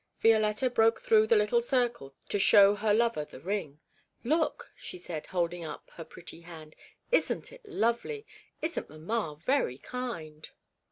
Violetta broke through the little circle to show her lover the ring. 'Look,' she said, holding up her pretty hand. 'Isn't it lovely? Isn't mamma very kind?'